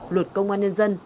luật công an dân dân